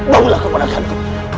bawalah ke manakanku